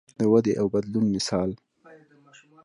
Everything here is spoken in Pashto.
د ودې او بدلون مثال.